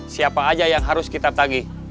siapa aja yang harus kita tagih